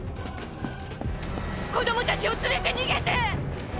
子供たちを連れて逃げて！